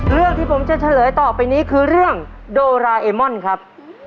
เรื่องที่ผมจะเฉลยต่อไปนี้คือเรื่องโดราเอมอนครับ